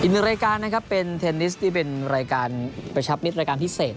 หนึ่งรายการนะครับเป็นเทนนิสที่เป็นรายการกระชับมิตรรายการพิเศษ